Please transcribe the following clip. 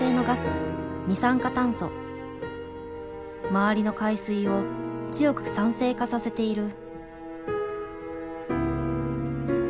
周りの海水を強く酸性化させている。